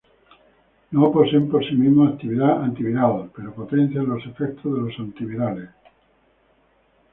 No poseen por sí mismos actividad antiviral, pero potencian los efectos de los antivirales.